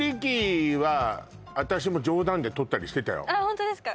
ホントですか？